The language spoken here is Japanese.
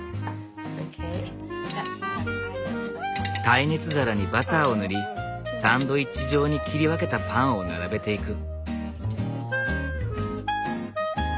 耐熱皿にバターを塗りサンドイッチ状に切り分けたパンを並べていく。